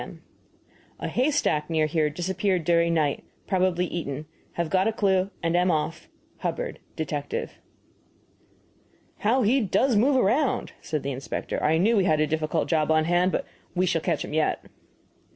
M. A haystack near here disappeared during night. Probably eaten. Have got a clue, and am off. HUBBARD, Detective. "How he does move around!" said the inspector "I knew we had a difficult job on hand, but we shall catch him yet."